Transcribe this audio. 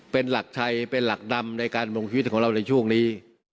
เป็นหลักชัยเป็นหลักดำในการลงชีวิตของเราในช่วงนี้